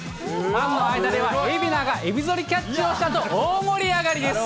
ファンの間では蝦名がえびぞりキャッチをしたと大盛り上がりです。